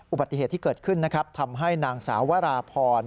อุบัติเหตุที่เกิดขึ้นนะครับทำให้นางสาววราพร